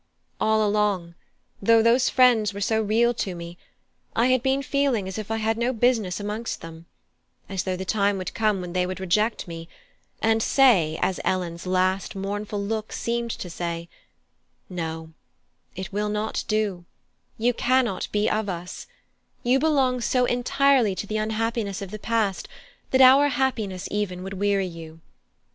All along, though those friends were so real to me, I had been feeling as if I had no business amongst them: as though the time would come when they would reject me, and say, as Ellen's last mournful look seemed to say, "No, it will not do; you cannot be of us; you belong so entirely to the unhappiness of the past that our happiness even would weary you.